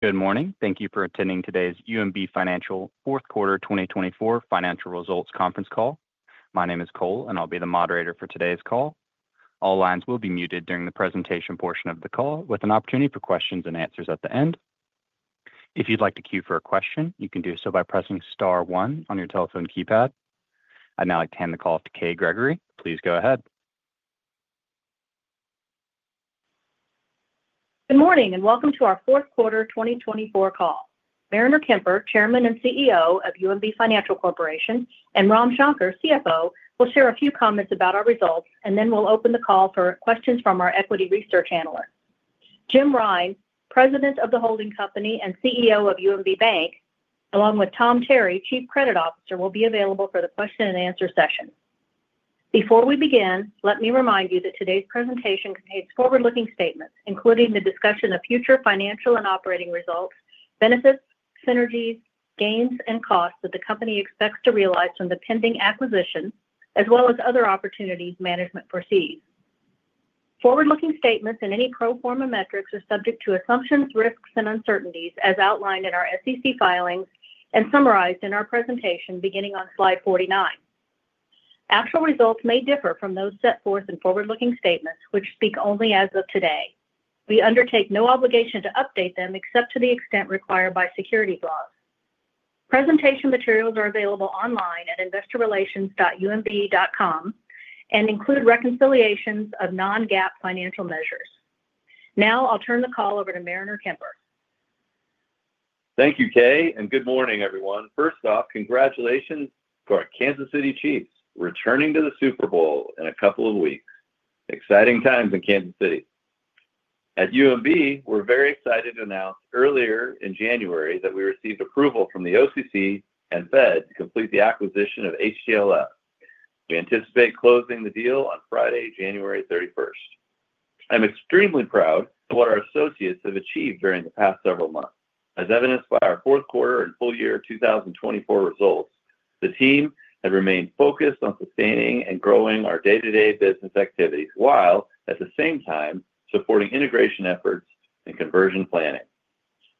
Good morning. Thank you for attending today's UMB Financial Fourth Quarter 2024 Financial Results Conference call. My name is Cole, and I'll be the moderator for today's call. All lines will be muted during the presentation portion of the call, with an opportunity for questions and answers at the end. If you'd like to queue for a question, you can do so by pressing Star 1 on your telephone keypad. I'd now like to hand the call off to Kay Gregory. Please go ahead. Good morning and welcome to our Fourth Quarter 2024 call. Mariner Kemper, Chairman and CEO of UMB Financial Corporation, and Ram Shankar, CFO, will share a few comments about our results, and then we'll open the call for questions from our equity research analyst. Jim Rine, President of the Holding Company and CEO of UMB Bank, along with Tom Terry, Chief Credit Officer, will be available for the question-and-answer session. Before we begin, let me remind you that today's presentation contains forward-looking statements, including the discussion of future financial and operating results, benefits, synergies, gains, and costs that the company expects to realize from the pending acquisition, as well as other opportunities management foresees. Forward-looking statements and any pro forma metrics are subject to assumptions, risks, and uncertainties, as outlined in our SEC filings and summarized in our presentation beginning on slide 49. Actual results may differ from those set forth in forward-looking statements, which speak only as of today. We undertake no obligation to update them except to the extent required by securities laws. Presentation materials are available online at investorrelations.umb.com and include reconciliations of non-GAAP financial measures. Now I'll turn the call over to Mariner Kemper. Thank you, Kay, and good morning, everyone. First off, congratulations to our Kansas City Chiefs returning to the Super Bowl in a couple of weeks. Exciting times in Kansas City. At UMB, we're very excited to announce earlier in January that we received approval from the OCC and Fed to complete the acquisition of HTLF. We anticipate closing the deal on Friday, January 31st. I'm extremely proud of what our associates have achieved during the past several months. As evidenced by our fourth quarter and full year 2024 results, the team has remained focused on sustaining and growing our day-to-day business activities while at the same time supporting integration efforts and conversion planning.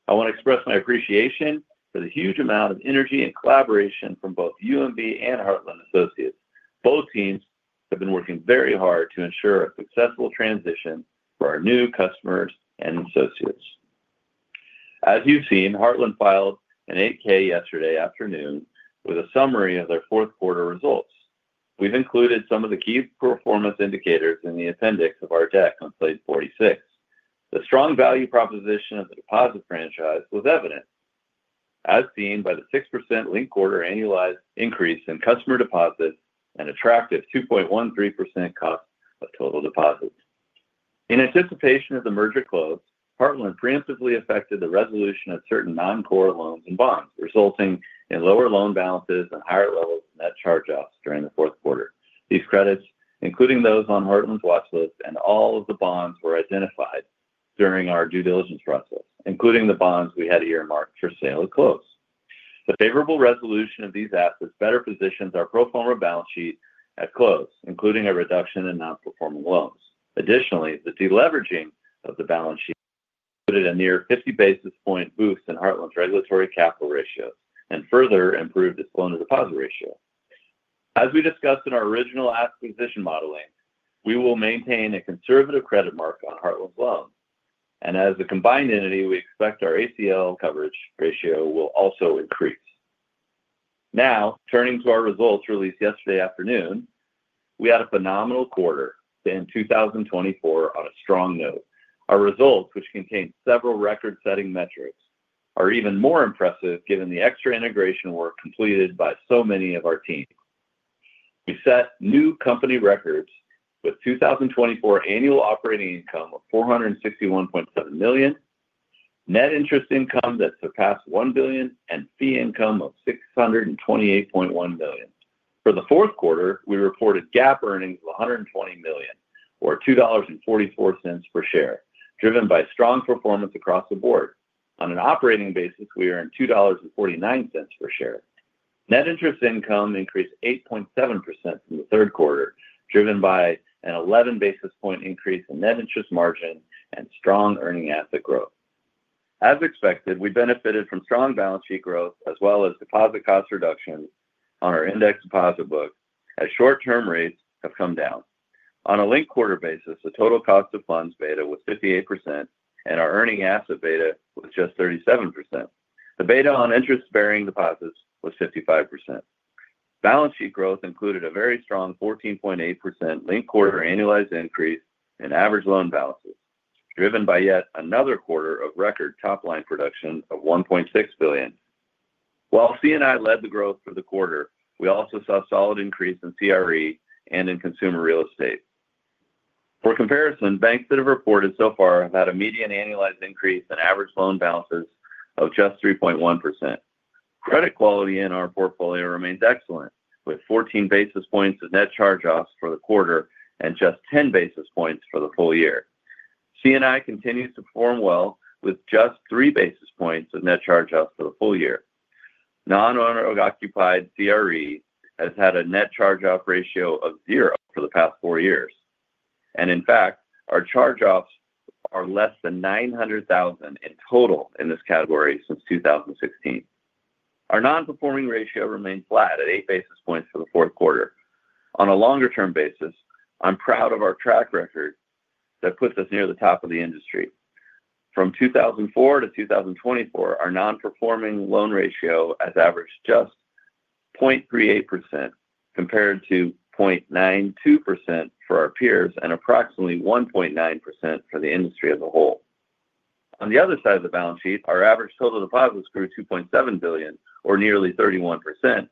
I want to express my appreciation for the huge amount of energy and collaboration from both UMB and Heartland associates. Both teams have been working very hard to ensure a successful transition for our new customers and associates. As you've seen, Heartland filed an 8-K yesterday afternoon with a summary of their fourth quarter results. We've included some of the key performance indicators in the appendix of our deck on slide 46. The strong value proposition of the deposit franchise was evident, as seen by the 6% linked quarter annualized increase in customer deposits and attractive 2.13% cost of total deposits. In anticipation of the merger close, Heartland preemptively effected the resolution of certain non-core loans and bonds, resulting in lower loan balances and higher levels of net charge-offs during the fourth quarter. These credits, including those on Heartland's watchlist and all of the bonds, were identified during our due diligence process, including the bonds we had earmarked for sale at close. The favorable resolution of these assets better positions our pro forma balance sheet at close, including a reduction in non-performing loans. Additionally, the deleveraging of the balance sheet put a near 50 basis point boost in Heartland's regulatory capital ratios and further improved its loan-to-deposit ratio. As we discussed in our original acquisition modeling, we will maintain a conservative credit mark on Heartland's loans, and as a combined entity, we expect our ACL coverage ratio will also increase. Now, turning to our results released yesterday afternoon, we had a phenomenal quarter in 2024 on a strong note. Our results, which contain several record-setting metrics, are even more impressive given the extra integration work completed by so many of our teams. We set new company records with 2024 annual operating income of $461.7 million, net interest income that surpassed $1 billion, and fee income of $628.1 million. For the fourth quarter, we reported GAAP earnings of $120 million, or $2.44 per share, driven by strong performance across the board. On an operating basis, we earned $2.49 per share. Net interest income increased 8.7% from the third quarter, driven by an 11 basis point increase in net interest margin and strong earning asset growth. As expected, we benefited from strong balance sheet growth as well as deposit cost reductions on our index deposit book as short-term rates have come down. On a linked quarter basis, the total cost of funds beta was 58%, and our earning asset beta was just 37%. The beta on interest-bearing deposits was 55%. Balance sheet growth included a very strong 14.8% linked quarter annualized increase in average loan balances, driven by yet another quarter of record top-line production of $1.6 billion. While C&I led the growth for the quarter, we also saw a solid increase in CRE and in consumer real estate. For comparison, banks that have reported so far have had a median annualized increase in average loan balances of just 3.1%. Credit quality in our portfolio remains excellent, with 14 basis points of net charge-offs for the quarter and just 10 basis points for the full year. C&I continues to perform well with just 3 basis points of net charge-offs for the full year. Non-owner-occupied CRE has had a net charge-off ratio of zero for the past four years, and in fact, our charge-offs are less than $900,000 in total in this category since 2016. Our non-performing ratio remains flat at 8 basis points for the fourth quarter. On a longer-term basis, I'm proud of our track record that puts us near the top of the industry. From 2004 to 2024, our non-performing loan ratio has averaged just 0.38% compared to 0.92% for our peers and approximately 1.9% for the industry as a whole. On the other side of the balance sheet, our average total deposits grew $2.7 billion, or nearly 31%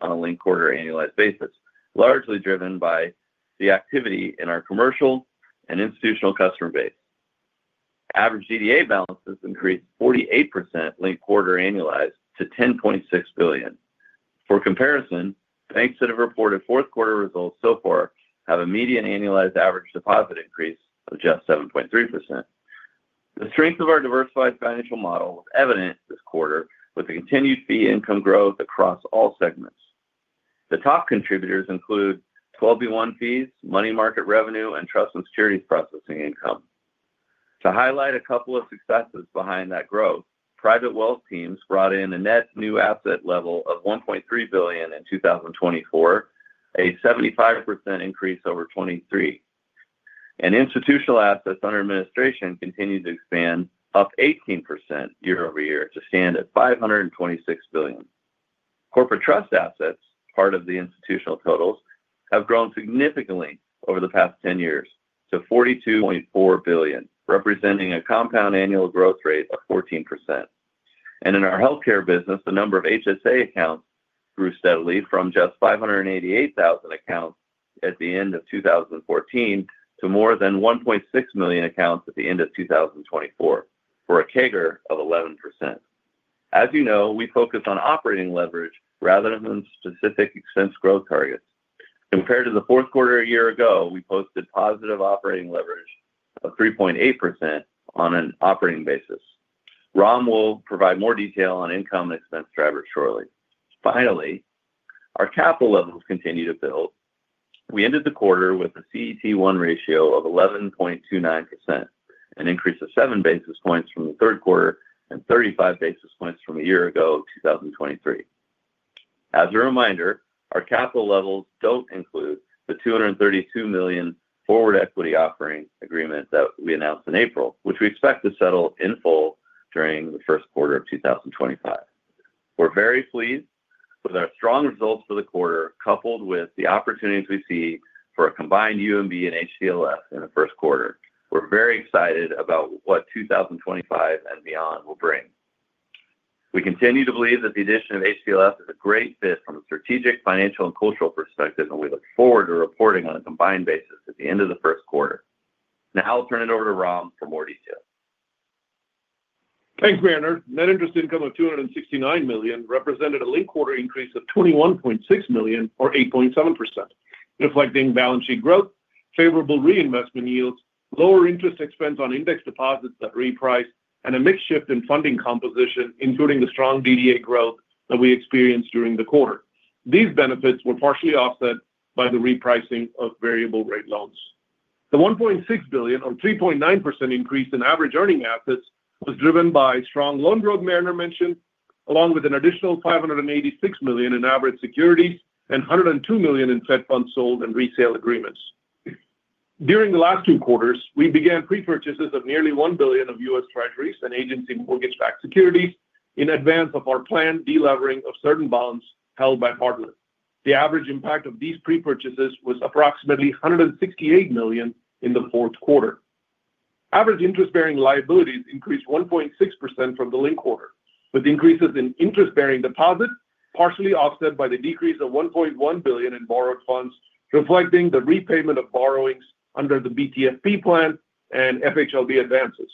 on a linked quarter annualized basis, largely driven by the activity in our commercial and institutional customer base. Average DDA balances increased 48% linked quarter annualized to $10.6 billion. For comparison, banks that have reported fourth quarter results so far have a median annualized average deposit increase of just 7.3%. The strength of our diversified financial model was evident this quarter with the continued fee income growth across all segments. The top contributors include 12b-1 fees, money market revenue, and trust and securities processing income. To highlight a couple of successes behind that growth, private wealth teams brought in a net new asset level of $1.3 billion in 2024, a 75% increase over 2023. And institutional assets under administration continued to expand up 18% year over year to stand at $526 billion. Corporate trust assets, part of the institutional totals, have grown significantly over the past 10 years to $42.4 billion, representing a compound annual growth rate of 14%. And in our healthcare business, the number of HSA accounts grew steadily from just 588,000 accounts at the end of 2014 to more than 1.6 million accounts at the end of 2024, for a CAGR of 11%. As you know, we focus on operating leverage rather than specific expense growth targets. Compared to the fourth quarter a year ago, we posted positive operating leverage of 3.8% on an operating basis. Ram will provide more detail on income and expense drivers shortly. Finally, our capital levels continue to build. We ended the quarter with a CET1 ratio of 11.29%, an increase of 7 basis points from the third quarter and 35 basis points from a year ago, 2023. As a reminder, our capital levels don't include the $232 million forward equity offering agreement that we announced in April, which we expect to settle in full during the first quarter of 2025. We're very pleased with our strong results for the quarter, coupled with the opportunities we see for a combined UMB and HTLF in the first quarter. We're very excited about what 2025 and beyond will bring. We continue to believe that the addition of HTLF is a great fit from a strategic, financial, and cultural perspective, and we look forward to reporting on a combined basis at the end of the first quarter. Now I'll turn it over to Ram for more detail. Thanks, Mariner. Net interest income of $269 million represented a linked quarter increase of $21.6 million, or 8.7%, reflecting balance sheet growth, favorable reinvestment yields, lower interest expense on index deposits that repriced, and a mixed shift in funding composition, including the strong DDA growth that we experienced during the quarter. These benefits were partially offset by the repricing of variable-rate loans. The $1.6 billion, or 3.9% increase in average earning assets, was driven by strong loan growth Mariner mentioned, along with an additional $586 million in average securities and $102 million in Fed funds sold and resale agreements. During the last two quarters, we began pre-purchases of nearly $1 billion of U.S. Treasuries and agency mortgage-backed securities in advance of our planned delevering of certain bonds held by Heartland. The average impact of these pre-purchases was approximately $168 million in the fourth quarter. Average interest-bearing liabilities increased 1.6% from the linked quarter, with increases in interest-bearing deposits partially offset by the decrease of $1.1 billion in borrowed funds, reflecting the repayment of borrowings under the BTFP plan and FHLB advances.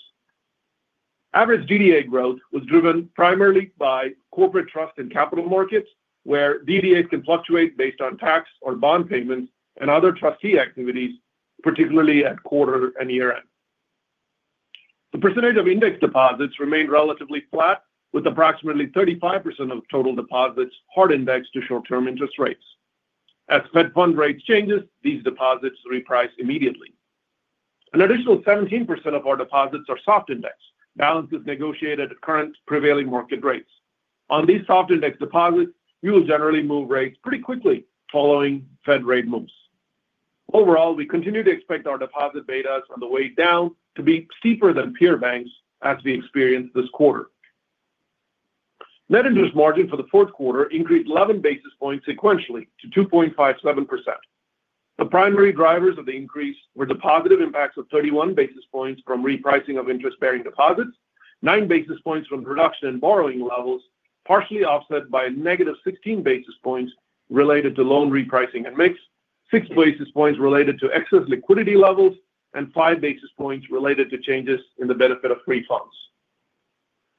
Average DDA growth was driven primarily by corporate trust and capital markets, where DDAs can fluctuate based on tax or bond payments and other trustee activities, particularly at quarter and year-end. The percentage of indexed deposits remained relatively flat, with approximately 35% of total deposits hard-indexed to short-term interest rates. As Fed fund rates change, these deposits reprice immediately. An additional 17% of our deposits are soft-indexed, balances negotiated at current prevailing market rates. On these soft-indexed deposits, we will generally move rates pretty quickly following Fed rate moves. Overall, we continue to expect our deposit betas on the way down to be steeper than peer banks as we experience this quarter. Net interest margin for the fourth quarter increased 11 basis points sequentially to 2.57%. The primary drivers of the increase were the positive impacts of 31 basis points from repricing of interest-bearing deposits, 9 basis points from production and borrowing levels, partially offset by negative 16 basis points related to loan repricing and mix, 6 basis points related to excess liquidity levels, and 5 basis points related to changes in the benefit of free funds.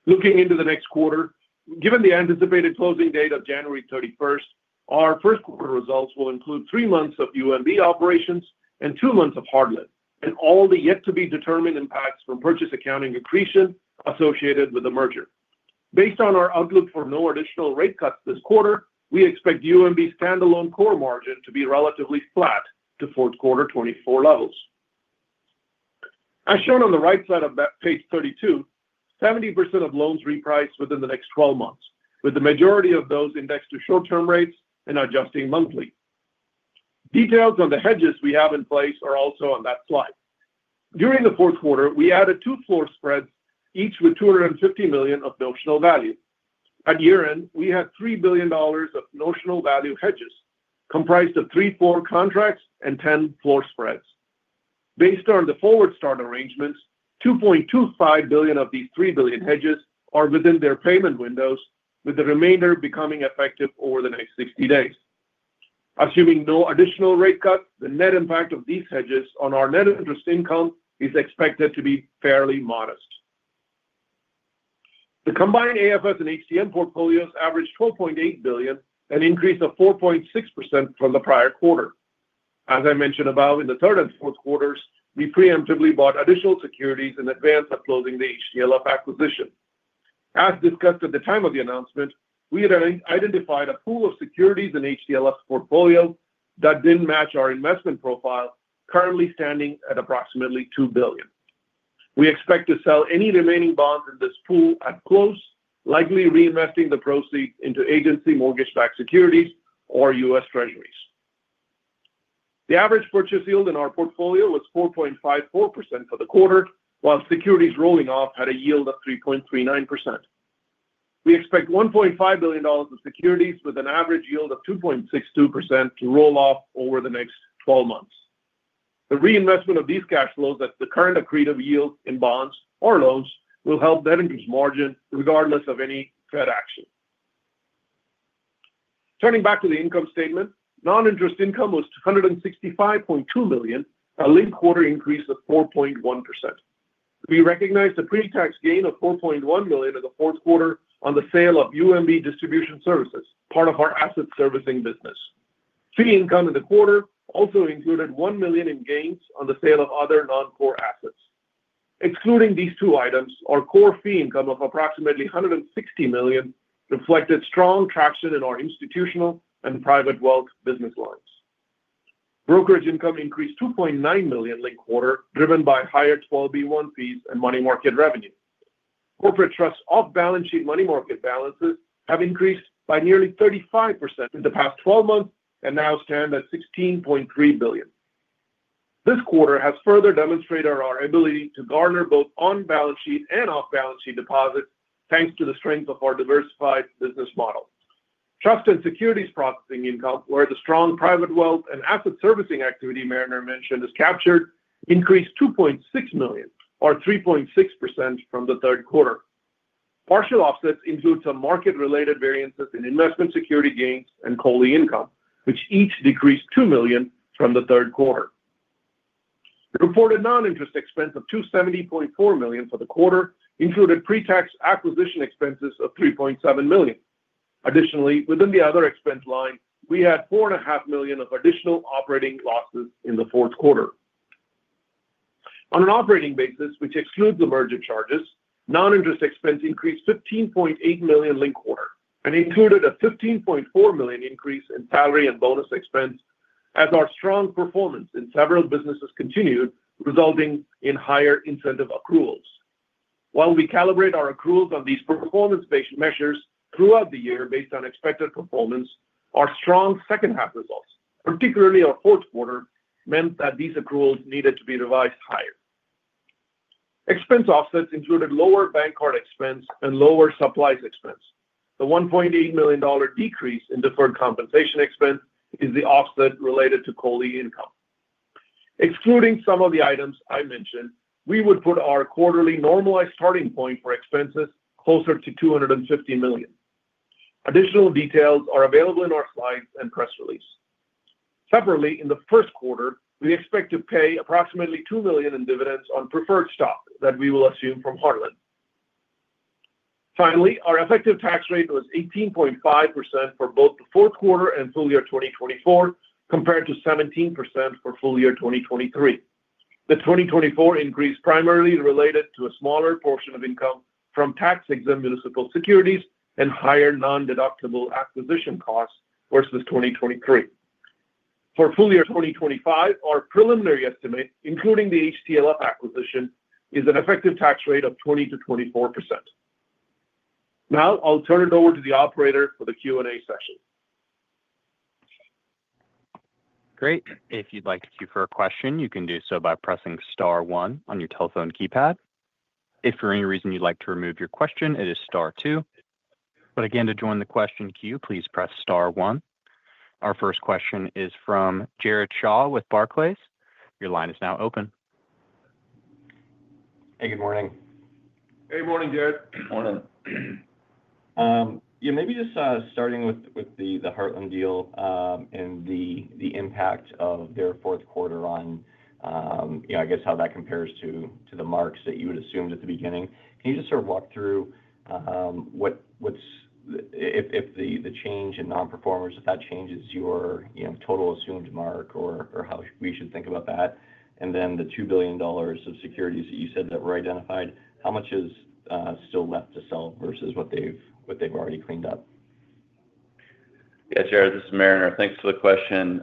Looking into the next quarter, given the anticipated closing date of January 31st, our first quarter results will include three months of UMB operations and two months of Heartland and all the yet-to-be-determined impacts from purchase accounting accretion associated with the merger. Based on our outlook for no additional rate cuts this quarter, we expect UMB's standalone core margin to be relatively flat to fourth quarter 2024 levels. As shown on the right side of page 32, 70% of loans repriced within the next 12 months, with the majority of those indexed to short-term rates and adjusting monthly. Details on the hedges we have in place are also on that slide. During the fourth quarter, we added two floor spreads, each with $250 million of notional value. At year-end, we had $3 billion of notional value hedges, comprised of three floor contracts and 10 floor spreads. Based on the forward start arrangements, $2.25 billion of these $3 billion hedges are within their payment windows, with the remainder becoming effective over the next 60 days. Assuming no additional rate cuts, the net impact of these hedges on our net interest income is expected to be fairly modest. The combined AFS and HTM portfolios averaged $12.8 billion, an increase of 4.6% from the prior quarter. As I mentioned above, in the third and fourth quarters, we preemptively bought additional securities in advance of closing the HTLF acquisition. As discussed at the time of the announcement, we had identified a pool of securities in HTLF's portfolio that didn't match our investment profile, currently standing at approximately $2 billion. We expect to sell any remaining bonds in this pool at close, likely reinvesting the proceeds into agency mortgage-backed securities or U.S. Treasuries. The average purchase yield in our portfolio was 4.54% for the quarter, while securities rolling off had a yield of 3.39%. We expect $1.5 billion of securities with an average yield of 2.62% to roll off over the next 12 months. The reinvestment of these cash flows at the current accretive yield in bonds or loans will help net interest margin regardless of any Fed action. Turning back to the income statement, non-interest income was $265.2 million, a linked quarter increase of 4.1%. We recognized a pre-tax gain of $4.1 million in the fourth quarter on the sale of UMB Distribution Services, part of our asset servicing business. Fee income in the quarter also included $1 million in gains on the sale of other non-core assets. Excluding these two items, our core fee income of approximately $160 million reflected strong traction in our institutional and private wealth business lines. Brokerage income increased $2.9 million linked quarter, driven by higher 12b-1 fees and money market revenue. Corporate trust off-balance sheet money market balances have increased by nearly 35% in the past 12 months and now stand at $16.3 billion. This quarter has further demonstrated our ability to garner both on-balance sheet and off-balance sheet deposits, thanks to the strength of our diversified business model. Trust and securities processing income, where the strong private wealth and asset servicing activity Mariner mentioned is captured, increased $2.6 million, or 3.6%, from the third quarter. Partial offsets include some market-related variances in investment security gains and COLI income, which each decreased $2 million from the third quarter. The reported non-interest expense of $270.4 million for the quarter included pre-tax acquisition expenses of $3.7 million. Additionally, within the other expense line, we had $4.5 million of additional operating losses in the fourth quarter. On an operating basis, which excludes the merger charges, non-interest expense increased $15.8 million linked quarter and included a $15.4 million increase in salary and bonus expense as our strong performance in several businesses continued, resulting in higher incentive accruals. While we calibrate our accruals on these performance-based measures throughout the year based on expected performance, our strong second-half results, particularly our fourth quarter, meant that these accruals needed to be revised higher. Expense offsets included lower bank card expense and lower supplies expense. The $1.8 million decrease in deferred compensation expense is the offset related to COLI income. Excluding some of the items I mentioned, we would put our quarterly normalized starting point for expenses closer to $250 million. Additional details are available in our slides and press release. Separately, in the first quarter, we expect to pay approximately $2 million in dividends on preferred stock that we will assume from Heartland. Finally, our effective tax rate was 18.5% for both the fourth quarter and full year 2024, compared to 17% for full year 2023. The 2024 increase primarily related to a smaller portion of income from tax-exempt municipal securities and higher non-deductible acquisition costs versus 2023. For full year 2025, our preliminary estimate, including the HTLF acquisition, is an effective tax rate of 20%-24%. Now I'll turn it over to the operator for the Q&A session. Great. If you'd like to ask a question, you can do so by pressing Star 1 on your telephone keypad. If for any reason you'd like to remove your question, press Star 2. But again, to join the question queue, please press Star 1. Our first question is from Jared Shaw with Barclays. Your line is now open. Hey, good morning. Hey, good morning, Jared. Morning. Yeah, maybe just starting with the Heartland deal and the impact of their fourth quarter on, I guess, how that compares to the marks that you had assumed at the beginning. Can you just sort of walk through what's if the change in non-performers, if that changes your total assumed mark or how we should think about that? And then the $2 billion of securities that you said that were identified, how much is still left to sell versus what they've already cleaned up? Yeah, Jared, this is Mariner. Thanks for the question.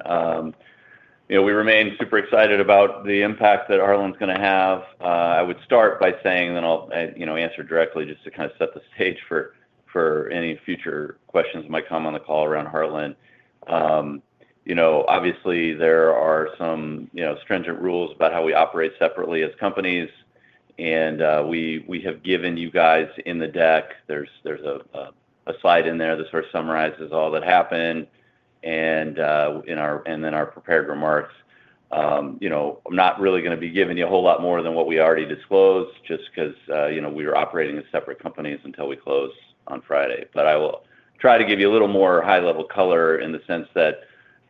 We remain super excited about the impact that Heartland's going to have. I would start by saying, and then I'll answer directly just to kind of set the stage for any future questions that might come on the call around Heartland. Obviously, there are some stringent rules about how we operate separately as companies, and we have given you guys in the deck. There's a slide in there that sort of summarizes all that happened. And then our prepared remarks. I'm not really going to be giving you a whole lot more than what we already disclosed just because we were operating as separate companies until we closed on Friday. I will try to give you a little more high-level color in the sense that,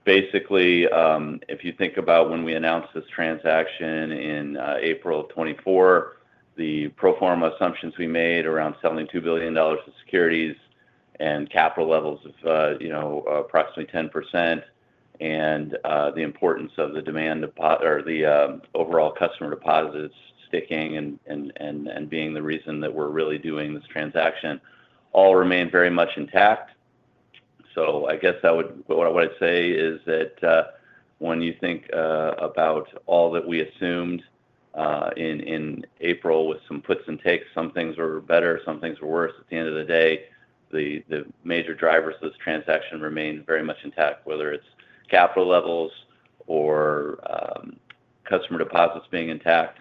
basically, if you think about when we announced this transaction in April of 2024, the pro forma assumptions we made around selling $2 billion of securities and capital levels of approximately 10% and the importance of the demand or the overall customer deposits sticking and being the reason that we're really doing this transaction all remain very much intact. I guess what I would say is that when you think about all that we assumed in April with some puts and takes, some things were better, some things were worse. At the end of the day, the major drivers of this transaction remain very much intact, whether it's capital levels or customer deposits being intact.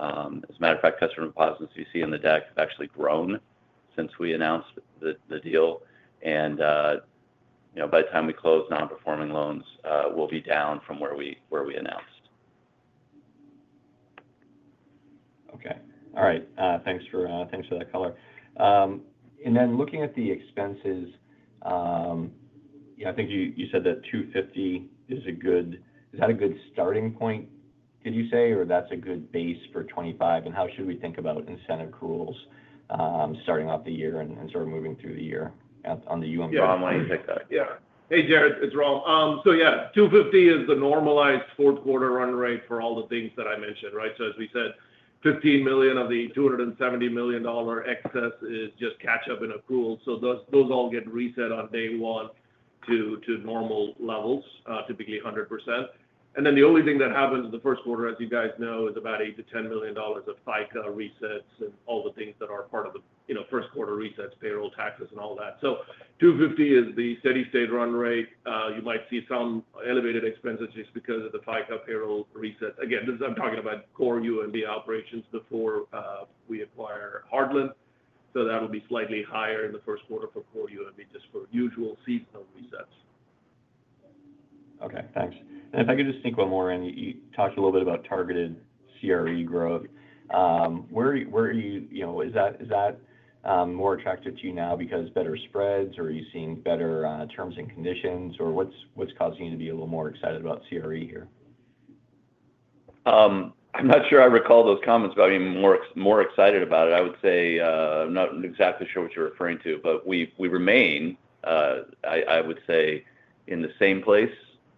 As a matter of fact, customer deposits you see in the deck have actually grown since we announced the deal. And by the time we close, non-performing loans will be down from where we announced. Okay. All right. Thanks for that color. And then looking at the expenses, I think you said that $250 is a good starting point, did you say, or that's a good base for 2025? And how should we think about incentive accruals starting off the year and sort of moving through the year on the UMB? Yeah, I'm waiting to take that. Yeah. Hey, Jared, it's Ram. So yeah, $250 is the normalized fourth quarter run rate for all the things that I mentioned, right? So as we said, $15 million of the $270 million excess is just catch-up and accrual. So those all get reset on day one to normal levels, typically 100%. And then the only thing that happens in the first quarter, as you guys know, is about $8-$10 million of FICA resets and all the things that are part of the first quarter resets, payroll taxes, and all that. So $250 is the steady-state run rate. You might see some elevated expenses just because of the FICA payroll resets. Again, this is, I'm talking about core UMB operations before we acquire Heartland. So that will be slightly higher in the first quarter for core UMB just for usual seasonal resets. Okay. Thanks. And if I could just sneak one more in, you talked a little bit about targeted CRE growth. Where are you? Is that more attractive to you now because better spreads, or are you seeing better terms and conditions, or what's causing you to be a little more excited about CRE here? I'm not sure I recall those comments, but I'm more excited about it. I would say I'm not exactly sure what you're referring to, but we remain, I would say, in the same place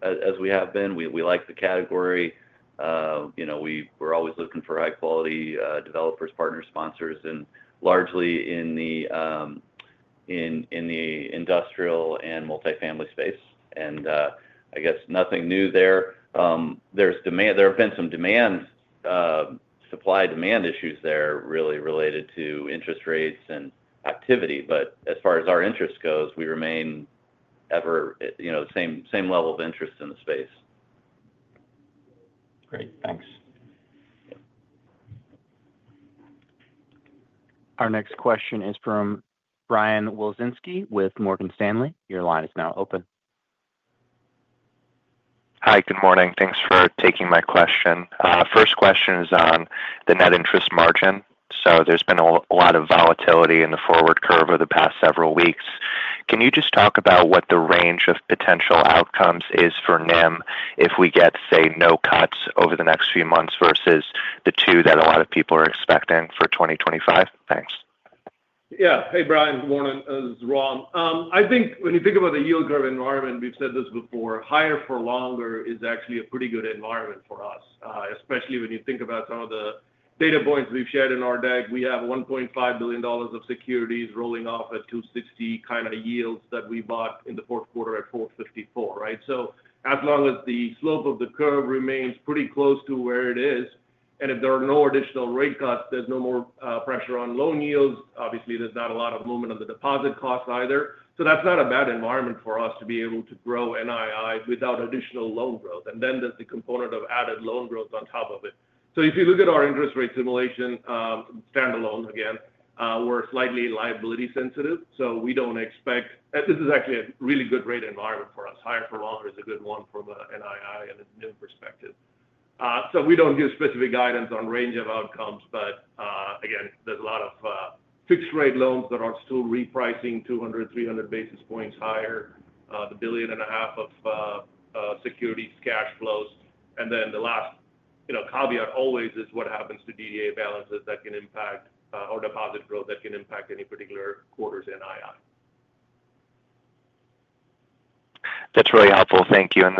as we have been. We like the category. We're always looking for high-quality developers, partners, sponsors, and largely in the industrial and multifamily space. And I guess nothing new there. There have been some supply-demand issues there really related to interest rates and activity. But as far as our interest goes, we remain the same level of interest in the space. Great. Thanks. Our next question is from Brian Wilczynski with Morgan Stanley. Your line is now open. Hi, good morning. Thanks for taking my question. First question is on the net interest margin. So there's been a lot of volatility in the forward curve over the past several weeks. Can you just talk about what the range of potential outcomes is for NIM if we get, say, no cuts over the next few months versus the two that a lot of people are expecting for 2025? Thanks. Yeah. Hey, Brian. Good morning. This is Ram. I think when you think about the yield curve environment, we've said this before, higher for longer is actually a pretty good environment for us, especially when you think about some of the data points we've shared in our deck. We have $1.5 billion of securities rolling off at 260 kind of yields that we bought in the fourth quarter at 454, right? So as long as the slope of the curve remains pretty close to where it is, and if there are no additional rate cuts, there's no more pressure on loan yields. Obviously, there's not a lot of movement on the deposit costs either. So that's not a bad environment for us to be able to grow NII without additional loan growth. And then there's the component of added loan growth on top of it. So if you look at our interest rate simulation, standalone again, we're slightly liability sensitive. So we don't expect this is actually a really good rate environment for us. Higher for longer is a good one from an NII and a NIM perspective. So we don't give specific guidance on range of outcomes, but again, there's a lot of fixed-rate loans that are still repricing 200, 300 basis points higher, the $1.5 billion of securities cash flows. And then the last caveat always is what happens to DDA balances that can impact our deposit growth that can impact any particular quarter's NII. That's really helpful. Thank you. And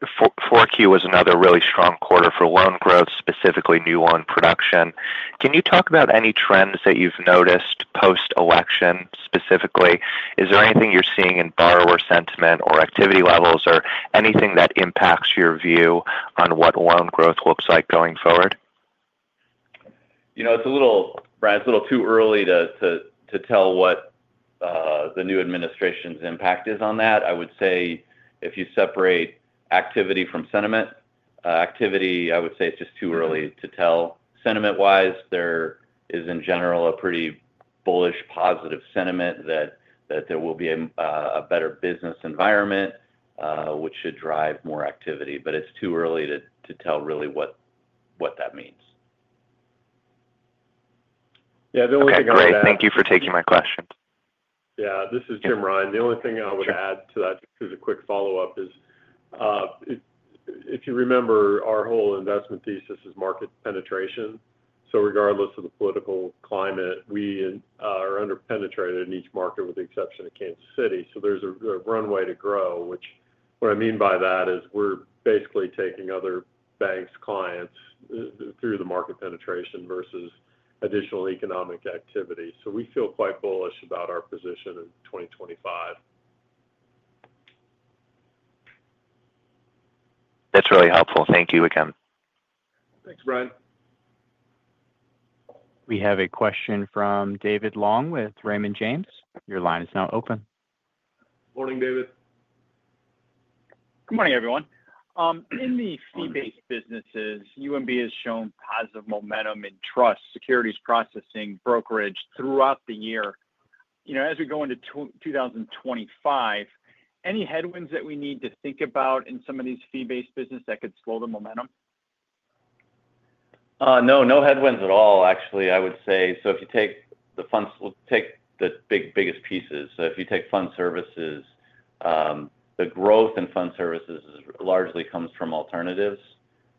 then 4Q is another really strong quarter for loan growth, specifically new loan production. Can you talk about any trends that you've noticed post-election specifically? Is there anything you're seeing in borrower sentiment or activity levels or anything that impacts your view on what loan growth looks like going forward? You know, it's a little, Brian, it's a little too early to tell what the new administration's impact is on that. I would say if you separate activity from sentiment, activity, I would say it's just too early to tell. Sentiment-wise, there is, in general, a pretty bullish positive sentiment that there will be a better business environment, which should drive more activity. But it's too early to tell really what that means. Yeah. Okay. Great. Thank you for taking my question. Yeah. This is Jim Rine. The only thing I would add to that just as a quick follow-up is, if you remember, our whole investment thesis is market penetration. So regardless of the political climate, we are underpenetrated in each market with the exception of Kansas City. So there's a runway to grow, which what I mean by that is we're basically taking other banks' clients through the market penetration versus additional economic activity. So we feel quite bullish about our position in 2025. That's really helpful. Thank you again. Thanks, Brian. We have a question from David Long with Raymond James. Your line is now open. Morning, David. Good morning, everyone. In the fee-based businesses, UMB has shown positive momentum in trust, securities processing, brokerage throughout the year. As we go into 2025, any headwinds that we need to think about in some of these fee-based businesses that could slow the momentum? No, no headwinds at all, actually, I would say. So if you take the biggest pieces, so if you take fund services, the growth in fund services largely comes from alternatives,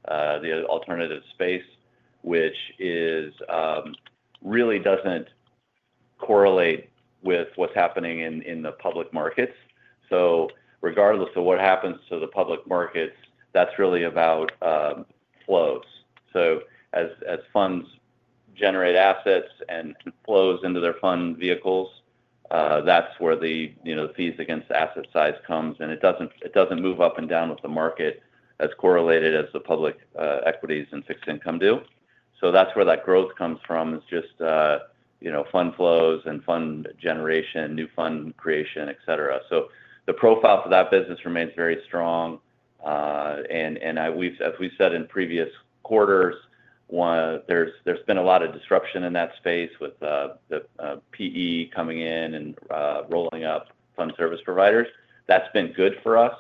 the alternative space, which really doesn't correlate with what's happening in the public markets. So regardless of what happens to the public markets, that's really about flows. So as funds generate assets and flows into their fund vehicles, that's where the fees against asset size comes. And it doesn't move up and down with the market as correlated as the public equities and fixed income do. So that's where that growth comes from, is just fund flows and fund generation, new fund creation, etc. So the profile for that business remains very strong. And as we've said in previous quarters, there's been a lot of disruption in that space with the PE coming in and rolling up fund service providers. That's been good for us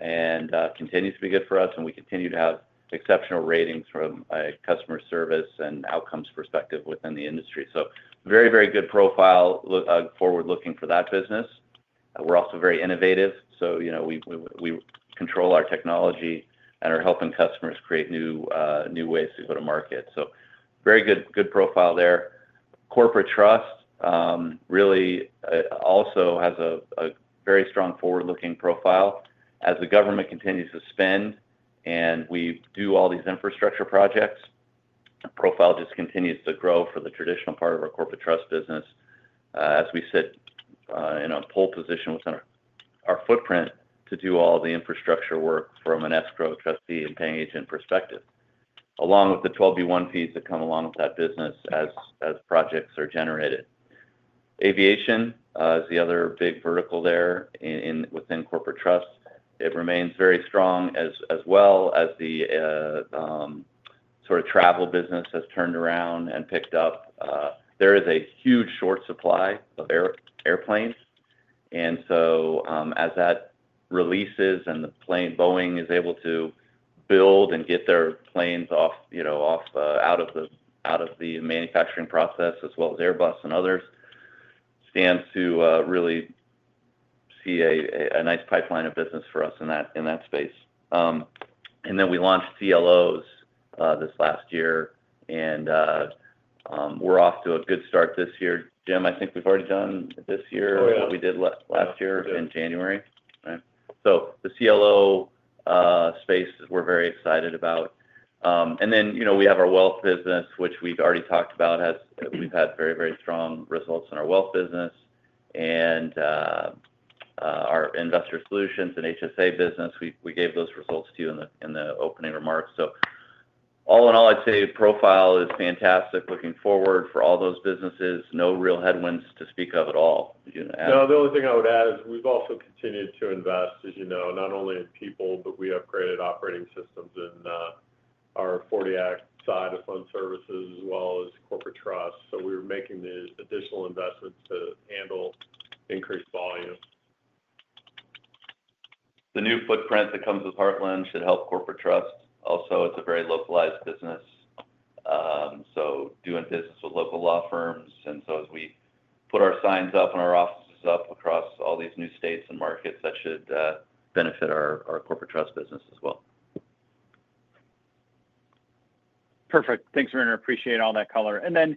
and continues to be good for us. We continue to have exceptional ratings from a customer service and outcomes perspective within the industry. Very, very good profile forward-looking for that business. We're also very innovative. We control our technology and are helping customers create new ways to go to market. Very good profile there. Corporate trust really also has a very strong forward-looking profile. As the government continues to spend and we do all these infrastructure projects, the profile just continues to grow for the traditional part of our corporate trust business as we sit in a pole position with our footprint to do all the infrastructure work from an escrow trustee and paying agent perspective, along with the 12b-1 fees that come along with that business as projects are generated. Aviation is the other big vertical there within corporate trust. It remains very strong as well as the sort of travel business has turned around and picked up. There is a huge short supply of airplanes, and so as that releases and the planes Boeing is able to build and get their planes out of the manufacturing process, as well as Airbus and others, stands to really see a nice pipeline of business for us in that space. And then we launched CLOs this last year, and we're off to a good start this year. Jim, I think we've already done this year or what we did last year in January, right? So the CLO space, we're very excited about. And then we have our wealth business, which we've already talked about. We've had very, very strong results in our wealth business and our investor solutions and HSA business. We gave those results to you in the opening remarks. So all in all, I'd say profile is fantastic looking forward for all those businesses. No real headwinds to speak of at all. Yeah. The only thing I would add is we've also continued to invest, as you know, not only in people, but we upgraded operating systems in our 40 Act side of fund services as well as corporate trust. So we're making the additional investments to handle increased volume. The new footprint that comes with Heartland should help corporate trust. Also, it's a very localized business. So doing business with local law firms. And so as we put our signs up and our offices up across all these new states and markets, that should benefit our corporate trust business as well. Perfect. Thanks, Ram. I appreciate all that color. And then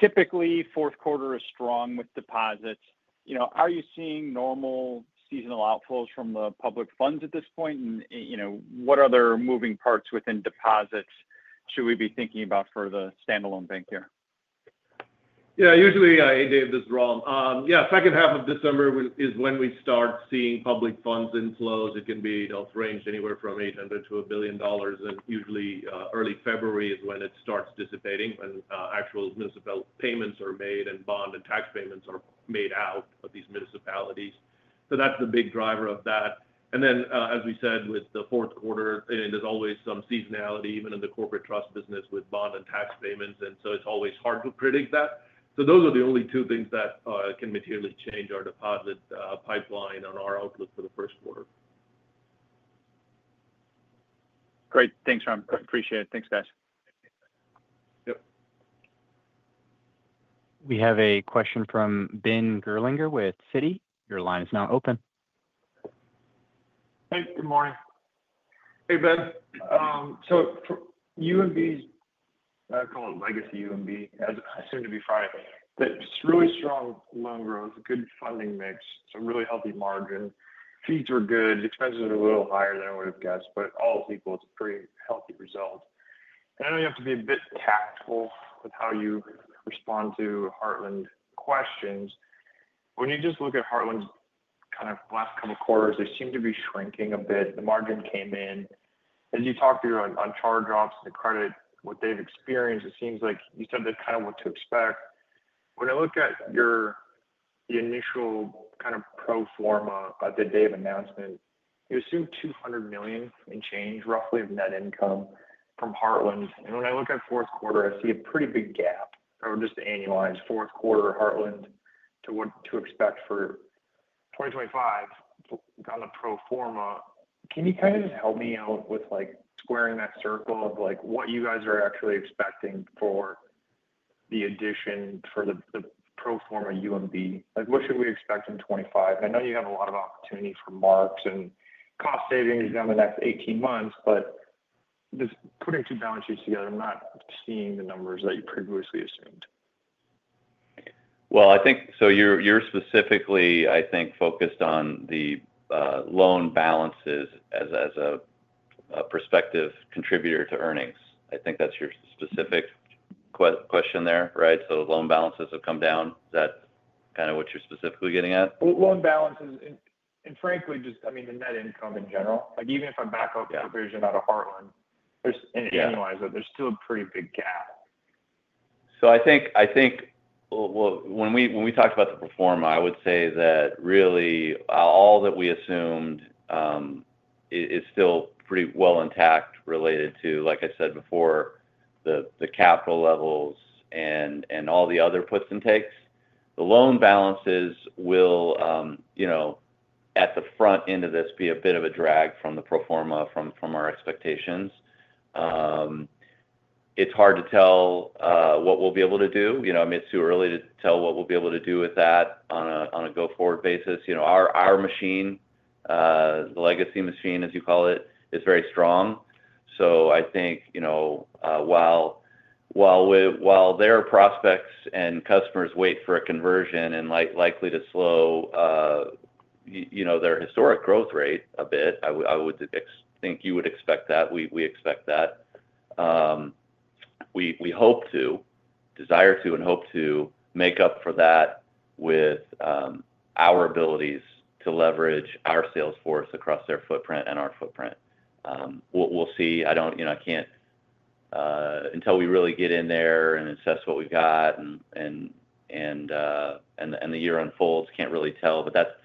typically, fourth quarter is strong with deposits. Are you seeing normal seasonal outflows from the public funds at this point? And what other moving parts within deposits should we be thinking about for the standalone bank year? Yeah. Usually, hey, Dave, this is Ram. Yeah. Second half of December is when we start seeing public funds inflows. It can range anywhere from $800-$1 billion. And usually, early February is when it starts dissipating when actual municipal payments are made and bond and tax payments are made out of these municipalities. So that's the big driver of that. And then, as we said, with the fourth quarter, there's always some seasonality, even in the corporate trust business with bond and tax payments. And so it's always hard to predict that. So those are the only two things that can materially change our deposit pipeline on our outlook for the first quarter. Great. Thanks, Ram. Appreciate it. Thanks, guys. Yep. We have a question from Ben Gerlinger with Citi. Your line is now open. Hey. Good morning. Hey, Ben. So UMB's I call it legacy UMB as soon as it'd be Friday. It's really strong loan growth, good funding mix, some really healthy margin. Fees are good. Expenses are a little higher than I would have guessed, but all is equal. It's a pretty healthy result, and I know you have to be a bit tactful with how you respond to Heartland questions. When you just look at Heartland's kind of last couple of quarters, they seem to be shrinking a bit. The margin came in. As you talk through on charge-offs and the credit, what they've experienced, it seems like you said they kind of what to expect. When I look at your initial kind of pro forma at the day of announcement, you assumed $200 million and change roughly of net income from Heartland. And when I look at fourth quarter, I see a pretty big gap. I would just annualize fourth quarter Heartland to what to expect for 2025 on the pro forma. Can you kind of just help me out with squaring that circle of what you guys are actually expecting for the addition for the pro forma UMB? What should we expect in 2025? I know you have a lot of opportunity for marks and cost savings down the next 18 months, but just putting two balance sheets together, I'm not seeing the numbers that you previously assumed. I think so you're specifically, I think, focused on the loan balances as a prospective contributor to earnings. I think that's your specific question there, right? Loan balances have come down. Is that kind of what you're specifically getting at? Loan balances and frankly, just I mean, the net income in general. Even if I back out the provision out of Heartland, there's an annualized hit. There's still a pretty big gap. So I think when we talked about the pro forma, I would say that really all that we assumed is still pretty well intact related to, like I said before, the capital levels and all the other puts and takes. The loan balances will, at the front end of this, be a bit of a drag from the pro forma from our expectations. It's hard to tell what we'll be able to do. I mean, it's too early to tell what we'll be able to do with that on a go-forward basis. Our machine, the legacy machine, as you call it, is very strong. So I think while their prospects and customers wait for a conversion and likely to slow their historic growth rate a bit, I would think you would expect that. We expect that. We hope to, desire to, and hope to make up for that with our abilities to leverage our sales force across their footprint and our footprint. We'll see. I can't tell until we really get in there and assess what we've got and the year unfolds; I can't really tell. But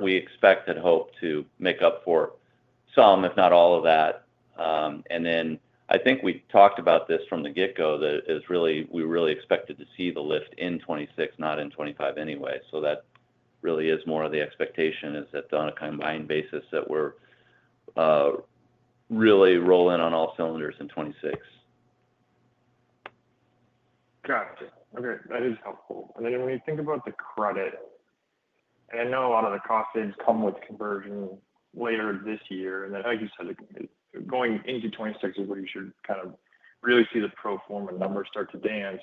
we expect and hope to make up for some, if not all of that, and then I think we talked about this from the get-go that we really expected to see the lift in 2026, not in 2025 anyway, so that really is more of the expectation is that on a combined basis that we're really rolling on all cylinders in 2026. Gotcha. Okay. That is helpful. And then when you think about the credit, and I know a lot of the cost savings come with conversion later this year. And then I just said going into 2026 is where you should kind of really see the pro forma numbers start to dance.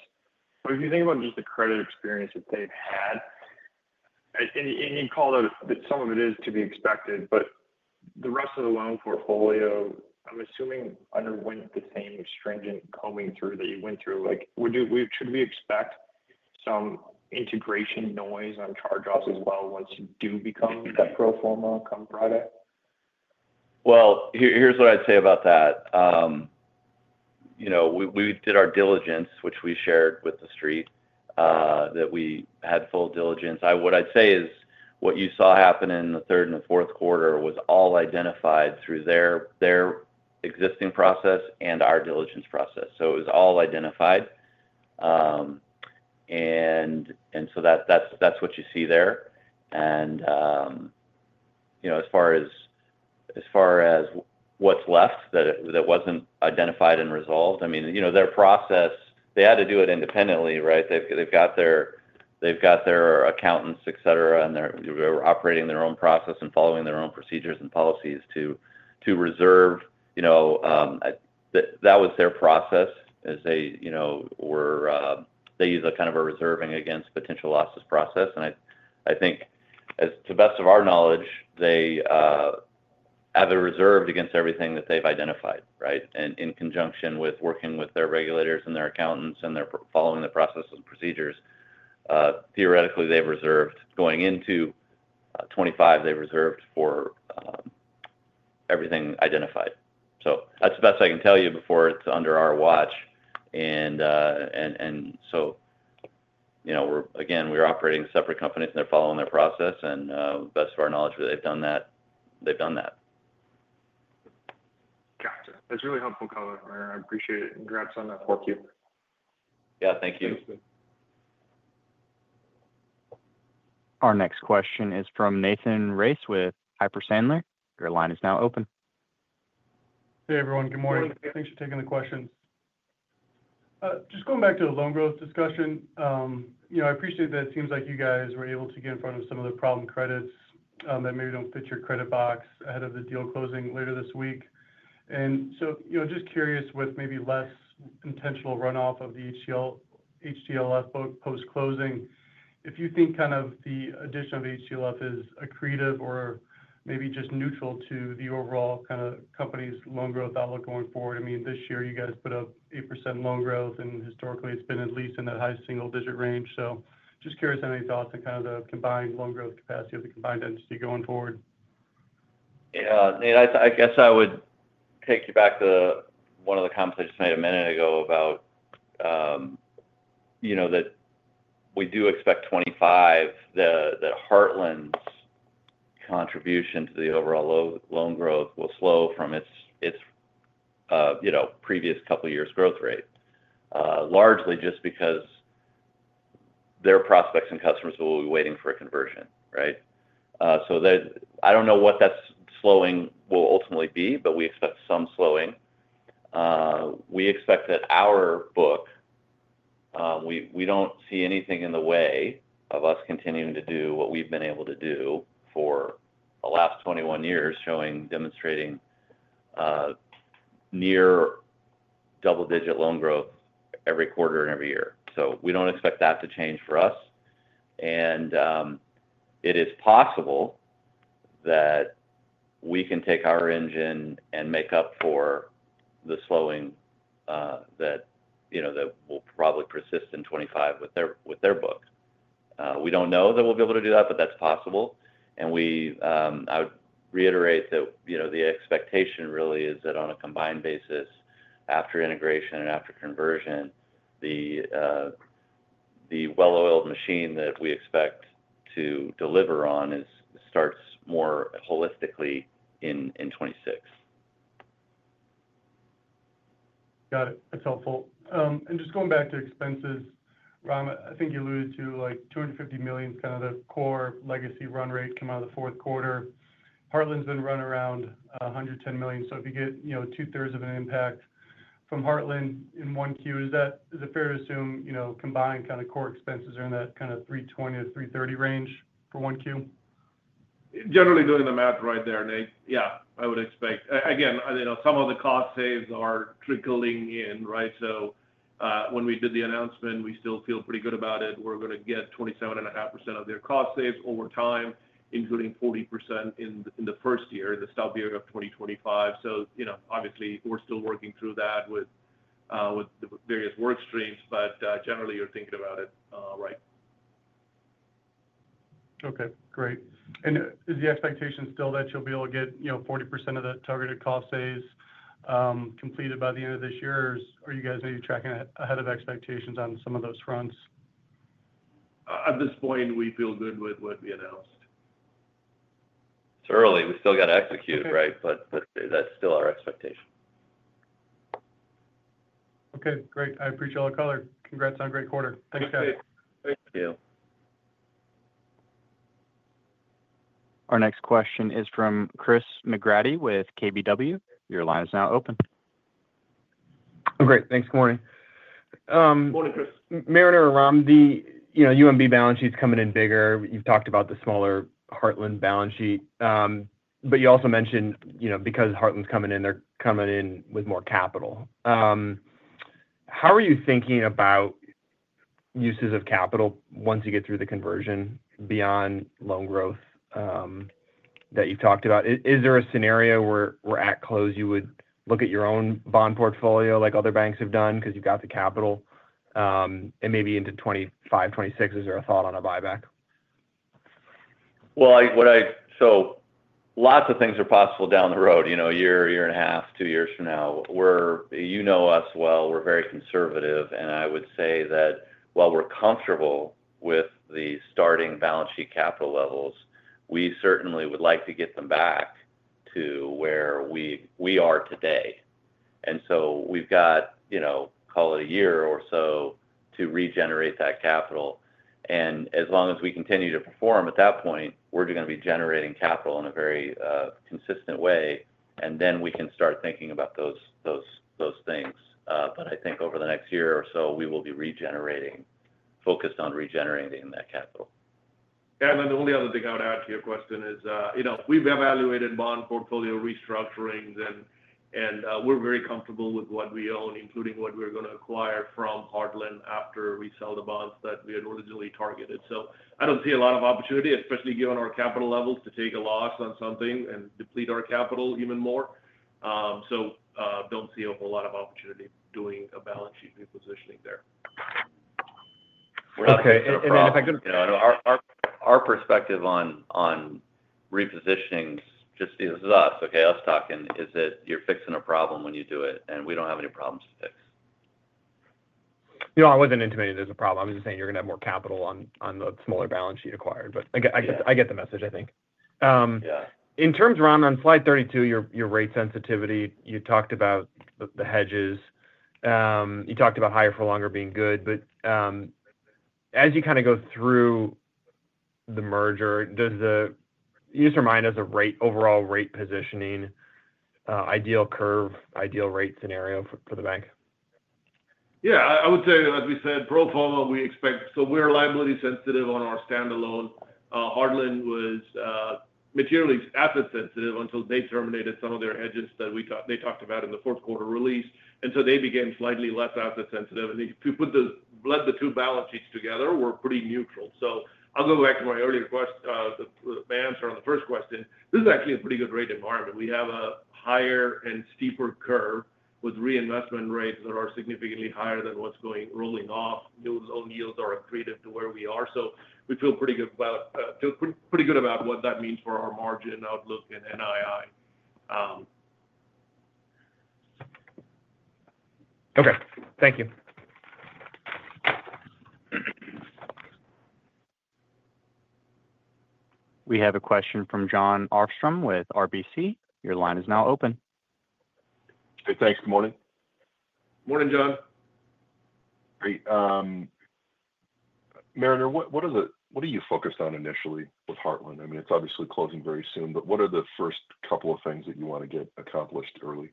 But if you think about just the credit experience that they've had, and you call that some of it is to be expected, but the rest of the loan portfolio, I'm assuming underwent the same stringent combing through that you went through. Should we expect some integration noise on charge-offs as well once you do become that pro forma come Friday? Here's what I'd say about that. We did our diligence, which we shared with the street that we had full diligence. What I'd say is what you saw happen in the third and the fourth quarter was all identified through their existing process and our diligence process. It was all identified. That's what you see there. As far as what's left that wasn't identified and resolved, I mean, their process, they had to do it independently, right? They've got their accountants, etc., and they're operating their own process and following their own procedures and policies to reserve. That was their process as they were, they use a kind of a reserving against potential losses process. I think to the best of our knowledge, they have a reserve against everything that they've identified, right? And in conjunction with working with their regulators and their accountants and following the processes and procedures, theoretically, they've reserved going into 2025. They've reserved for everything identified. So that's the best I can tell you before it's under our watch. And so again, we're operating separate companies and they're following their process. And to the best of our knowledge, they've done that. They've done that. Gotcha. That's really helpful, Cole. I appreciate it. Congrats on that for you. Yeah. Thank you. Our next question is from Nathan Race with Piper Sandler. Your line is now open. Hey, everyone. Good morning. Thanks for taking the questions. Just going back to the loan growth discussion, I appreciate that it seems like you guys were able to get in front of some of the problem credits that maybe don't fit your credit box ahead of the deal closing later this week. And so just curious with maybe less intentional runoff of the HTLF post-closing. If you think kind of the addition of HTLF is accretive or maybe just neutral to the overall kind of company's loan growth outlook going forward, I mean, this year you guys put up 8% loan growth, and historically, it's been at least in that high single-digit range. So just curious how many thoughts on kind of the combined loan growth capacity of the combined entity going forward. Yeah. I guess I would take you back to one of the comments I just made a minute ago about that we do expect 2025 that Heartland's contribution to the overall loan growth will slow from its previous couple of years' growth rate, largely just because their prospects and customers will be waiting for a conversion, right? So I don't know what that slowing will ultimately be, but we expect some slowing. We expect that our book, we don't see anything in the way of us continuing to do what we've been able to do for the last 21 years, showing, demonstrating near double-digit loan growth every quarter and every year. So we don't expect that to change for us. And it is possible that we can take our engine and make up for the slowing that will probably persist in 2025 with their book. We don't know that we'll be able to do that, but that's possible. And I would reiterate that the expectation really is that on a combined basis, after integration and after conversion, the well-oiled machine that we expect to deliver on starts more holistically in 2026. Got it. That's helpful. And just going back to expenses, Ram, I think you alluded to $250 million is kind of the core legacy run rate come out of the fourth quarter. Heartland's been run around $110 million. So if you get two-thirds of an impact from Heartland in Q1, is it fair to assume combined kind of core expenses are in that kind of $320-$330 million range for Q1? Generally doing the math right there, Nate. Yeah. I would expect. Again, some of the cost saves are trickling in, right? So when we did the announcement, we still feel pretty good about it. We're going to get 27.5% of their cost saves over time, including 40% in the first year, the stub year of 2025. So obviously, we're still working through that with the various work streams, but generally, you're thinking about it right. Okay. Great. And is the expectation still that you'll be able to get 40% of the targeted cost saves completed by the end of this year? Or are you guys maybe tracking ahead of expectations on some of those fronts? At this point, we feel good with what we announced. It's early. We still got to execute, right? But that's still our expectation. Okay. Great. I appreciate it, Cole. Congrats on a great quarter. Thanks, guys. Thank you. Our next question is from Chris McGratty with KBW. Your line is now open. Great. Thanks. Good morning. Good morning, Chris. Mariner or Ram, UMB balance sheet's coming in bigger. You've talked about the smaller Heartland balance sheet. But you also mentioned because Heartland's coming in, they're coming in with more capital. How are you thinking about uses of capital once you get through the conversion beyond loan growth that you've talked about? Is there a scenario where at close you would look at your own bond portfolio like other banks have done because you've got the capital? And maybe into 2025, 2026, is there a thought on a buyback? So lots of things are possible down the road, a year, a year and a half, two years from now. You know us well. We're very conservative. And I would say that while we're comfortable with the starting balance sheet capital levels, we certainly would like to get them back to where we are today. And so we've got, call it a year or so to regenerate that capital. And as long as we continue to perform at that point, we're going to be generating capital in a very consistent way. And then we can start thinking about those things. But I think over the next year or so, we will be regenerating, focused on regenerating that capital. Yeah, and then the only other thing I would add to your question is we've evaluated bond portfolio restructurings, and we're very comfortable with what we own, including what we're going to acquire from Heartland after we sell the bonds that we had originally targeted, so I don't see a lot of opportunity, especially given our capital levels, to take a loss on something and deplete our capital even more, so don't see a whole lot of opportunity doing a balance sheet repositioning there. Okay, and then if I could, our perspective on repositioning is just us, okay? Us talking is that you're fixing a problem when you do it, and we don't have any problems to fix. I wasn't intimating there's a problem. I was just saying you're going to have more capital on the smaller balance sheet acquired. But I get the message, I think. In terms, Ram, on slide 32, your rate sensitivity, you talked about the hedges. You talked about higher for longer being good. But as you kind of go through the merger, you just remind us of overall rate positioning, ideal curve, ideal rate scenario for the bank. Yeah. I would say, as we said, pro forma, we expect so we're liability sensitive on our standalone. Heartland was materially asset sensitive until they terminated some of their hedges that they talked about in the fourth quarter release. And so they became slightly less asset sensitive. And if you put the two balance sheets together, we're pretty neutral. So I'll go back to my earlier answer on the first question. This is actually a pretty good rate environment. We have a higher and steeper curve with reinvestment rates that are significantly higher than what's rolling off. New loan yields are accretive to where we are. So we feel pretty good about what that means for our margin outlook and NII. Okay. Thank you. We have a question from John Arfstrom with RBC. Your line is now open. Hey, thanks. Good morning. Morning, John. Great. Mariner, what are you focused on initially with Heartland? I mean, it's obviously closing very soon, but what are the first couple of things that you want to get accomplished early?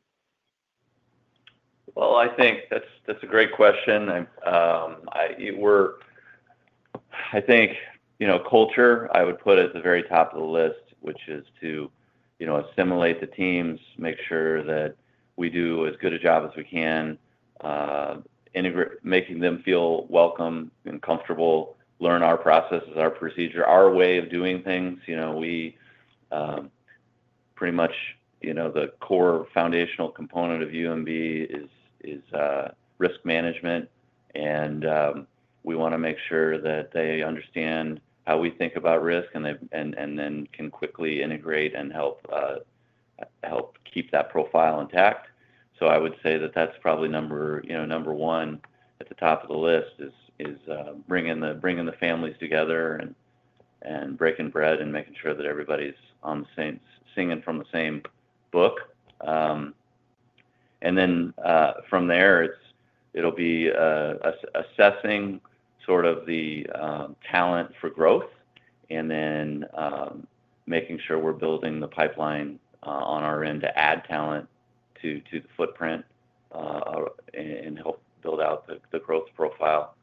I think that's a great question. I think culture, I would put at the very top of the list, which is to assimilate the teams, make sure that we do as good a job as we can, making them feel welcome and comfortable, learn our processes, our procedure, our way of doing things. Pretty much the core foundational component of UMB is risk management. We want to make sure that they understand how we think about risk and then can quickly integrate and help keep that profile intact. I would say that that's probably number one at the top of the list is bringing the families together and breaking bread and making sure that everybody's singing from the same book. And then from there, it'll be assessing sort of the talent for growth and then making sure we're building the pipeline on our end to add talent to the footprint and help build out the growth profile.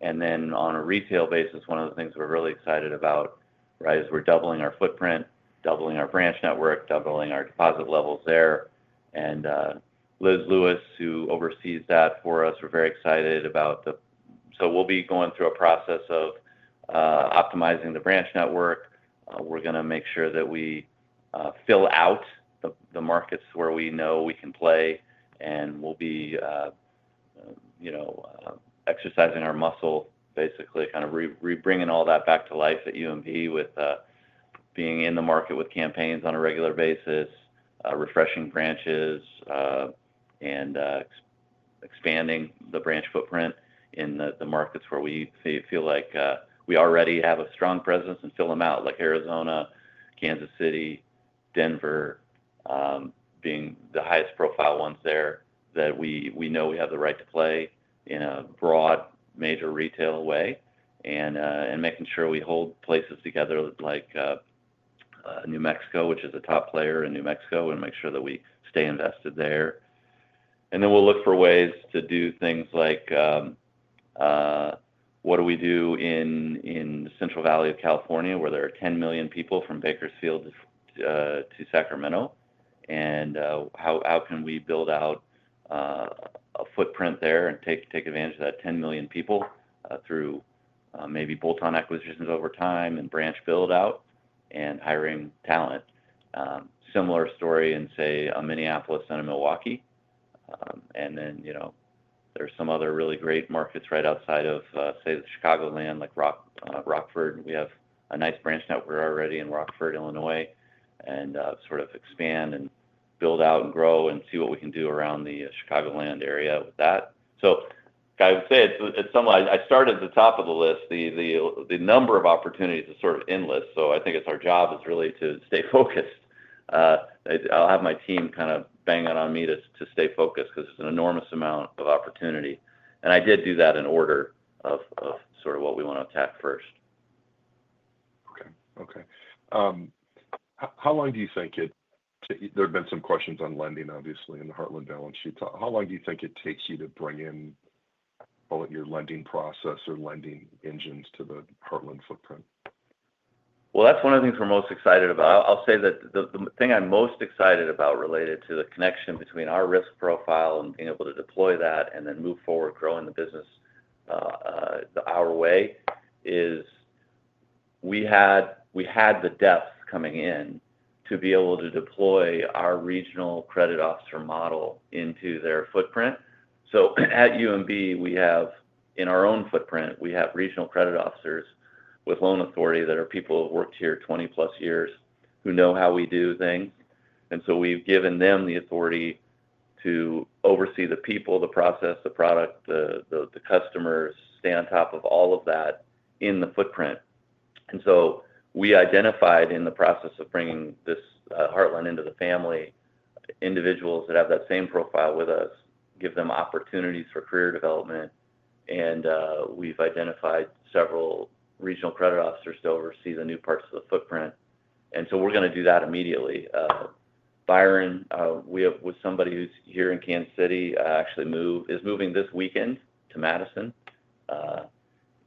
And then on a retail basis, one of the things we're really excited about, right, is we're doubling our footprint, doubling our branch network, doubling our deposit levels there. And Liz Lewis, who oversees that for us, we're very excited about the so we'll be going through a process of optimizing the branch network. We're going to make sure that we fill out the markets where we know we can play. We'll be exercising our muscle, basically kind of bringing all that back to life at UMB with being in the market with campaigns on a regular basis, refreshing branches, and expanding the branch footprint in the markets where we feel like we already have a strong presence and fill them out, like Arizona, Kansas City, Denver, being the highest profile ones there that we know we have the right to play in a broad, major retail way, and making sure we hold places together like New Mexico, which is a top player in New Mexico, and make sure that we stay invested there. And then we'll look for ways to do things like, what do we do in the Central Valley of California where there are 10 million people from Bakersfield to Sacramento? How can we build out a footprint there and take advantage of that 10 million people through maybe bolt-on acquisitions over time and branch build-out and hiring talent? Similar story in, say, Minneapolis and Milwaukee. Then there's some other really great markets right outside of, say, the Chicagoland, like Rockford. We have a nice branch network already in Rockford, Illinois, and sort of expand and build out and grow and see what we can do around the Chicagoland area with that. I would say at some level, I started at the top of the list. The number of opportunities is sort of endless. I think it's our job is really to stay focused. I'll have my team kind of banging on me to stay focused because it's an enormous amount of opportunity. I did do that in order of sort of what we want to attack first. Okay. Okay. How long do you think it'll take? There have been some questions on lending, obviously, in the Heartland balance sheets. How long do you think it takes you to bring in, call it, your lending process or lending engines to the Heartland footprint? That's one of the things we're most excited about. I'll say that the thing I'm most excited about related to the connection between our risk profile and being able to deploy that and then move forward growing the business our way is we had the depth coming in to be able to deploy our regional credit officer model into their footprint. At UMB, in our own footprint, we have regional credit officers with loan authority that are people who have worked here 20-plus years who know how we do things. We've given them the authority to oversee the people, the process, the product, the customers, stay on top of all of that in the footprint. We identified in the process of bringing this Heartland into the family, individuals that have that same profile with us, give them opportunities for career development. And we've identified several regional credit officers to oversee the new parts of the footprint. And so we're going to do that immediately. Byron, with somebody who's here in Kansas City, actually is moving this weekend to Madison.